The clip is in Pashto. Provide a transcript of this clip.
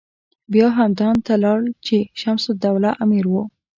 بیا همدان ته لاړ چې شمس الدوله امیر و.